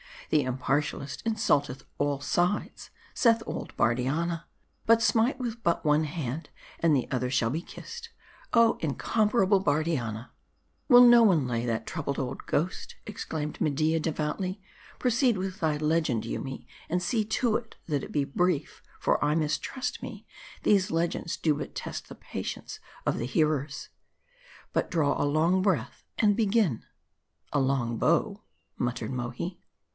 The impartial ist insulteth all sides, saith old Bardianna ; but smite with but one hand, and the other shall be kissed. Oh incompar able Bardianna !" "Will no one lay that troubled old ghost," exclaimed Media, devoutly. "Proceed with thy legend, Yoomy; and see to it, that it be brief; for I mistrust me, these legends do but test the patience of the hearers. But draw a long breath, and begin." " A long bow," muttered Mohi.